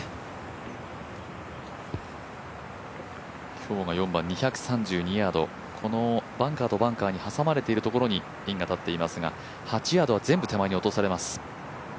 今日が４番、２３２ヤード、このバンカーとバンカーに挟まれてるところにピンが立っていますが８ヤードは全部手前に落とされます